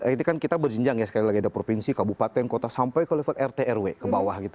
misalnya itu kan kita berjenjang ya sekali lagi ada provinsi kabupaten kota sampai ke level rtrw ke bawah gitu